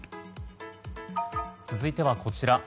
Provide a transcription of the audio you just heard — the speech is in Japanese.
続いてはこちら。